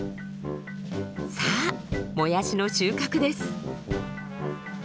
さあもやしの収穫です。